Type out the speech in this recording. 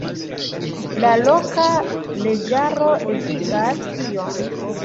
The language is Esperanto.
La loka leĝaro ebligas tion.